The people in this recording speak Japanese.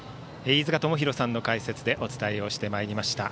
飯塚智広さんの解説でお伝えしてまいりました。